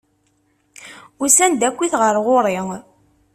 Usan-d akkit ar ɣur-i!